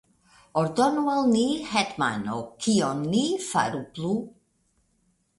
Ordonu al ni, hetmano, kion ni faru plu?